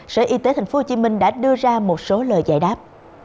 sở y tế tp hcm đã đưa ra một số lời giải đáp